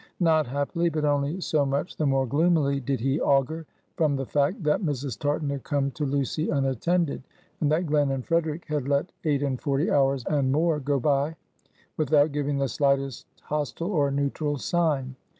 Not happily, but only so much the more gloomily, did he augur from the fact, that Mrs. Tartan had come to Lucy unattended; and that Glen and Frederic had let eight and forty hours and more go by, without giving the slightest hostile or neutral sign.